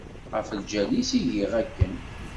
Ɣef lǧal-is i giɣ akken.